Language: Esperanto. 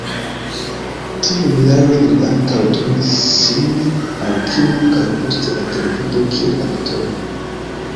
Tiun jaron li ankaŭ turnis sin al kino kaj poste al televido kiel aktoro.